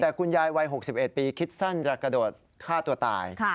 แต่คุณยายวัย๖๑ปีคิดสั้นจะกระโดดฆ่าตัวตาย